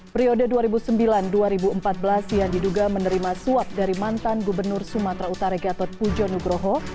periode dua ribu sembilan dua ribu empat belas yang diduga menerima suap dari mantan gubernur sumatera utara gatot pujo nugroho